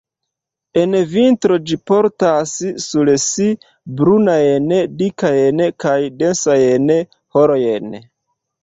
En vintro ĝi portas sur si brunajn, dikajn kaj densajn harojn.